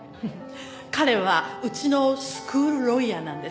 彼はうちのスクールロイヤーなんです。